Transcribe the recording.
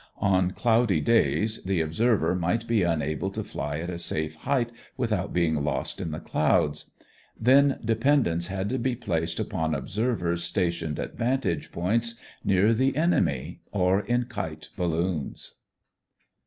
On cloudy days the observer might be unable to fly at a safe height without being lost in the clouds. Then dependence had to be placed upon observers stationed at vantage points near the enemy, or in kite balloons.